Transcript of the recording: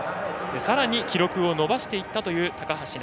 さらに記録を伸ばしていったという高橋渚。